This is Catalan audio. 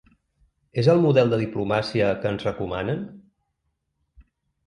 És el model de diplomàcia que ens recomanen?